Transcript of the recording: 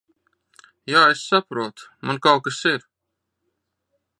Jā, es saprotu. Man kaut kas ir...